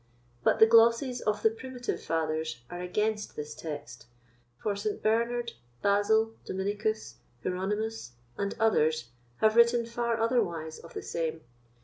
But the glosses of the Primitive Fathers are against this text, for St. Bernard, Basil, Dominicus, Hieronymus, and others have written far otherwise of the same.